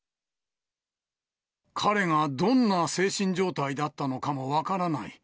彼がどんな精神状態だったのかも分からない。